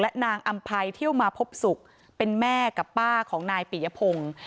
นางอำภัยเที่ยวมาพบศุกร์เป็นแม่กับป้าของนายปียพงศ์